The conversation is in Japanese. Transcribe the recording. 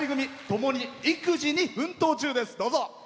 ともに育児に奮闘中です。